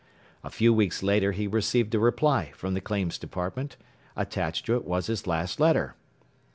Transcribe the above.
A few weeks later he received a reply from the Claims Department. Attached to it was his last letter.